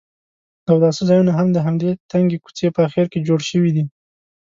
د اوداسه ځایونه هم د همدې تنګې کوڅې په اخر کې جوړ شوي دي.